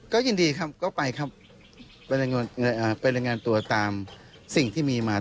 ก็ยินดีครับก็ไปครับไปรายงานตัวตามสิ่งที่มีมา